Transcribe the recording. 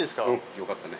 よかったね。